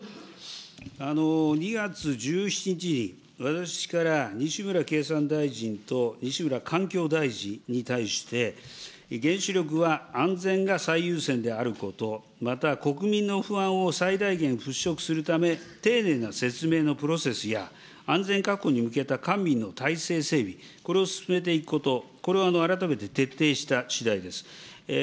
２月１７日、私から西村経産大臣と西村環境大臣に対して、原子力は安全が最優先であること、また国民の不安を最大限払拭するため、丁寧な説明のプロセスや、安全確保に向けた官民の体制整備、これを進めていくこと、これを改めて徹底したしだいであります。